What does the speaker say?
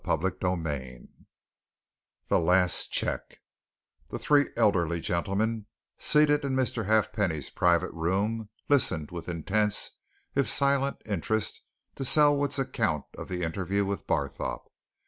CHAPTER XXVII THE LAST CHEQUE The three elderly gentlemen, seated in Mr. Halfpenny's private room, listened with intense, if silent, interest to Selwood's account of the interview with Barthorpe.